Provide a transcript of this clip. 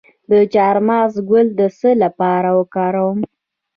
د چارمغز ګل د څه لپاره وکاروم؟